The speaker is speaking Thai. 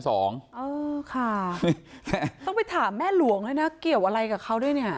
เออค่ะต้องไปถามแม่หลวงด้วยนะเกี่ยวอะไรกับเขาด้วยเนี่ย